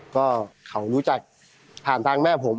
ก็เขารู้จักผ่านทางแม่ผม